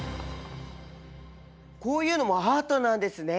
こういうのもアートなんですね。